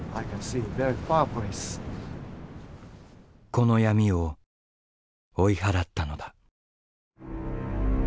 この闇を追い払ったのだ。